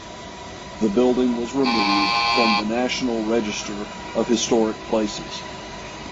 The building was removed from the National Register of Historic Places.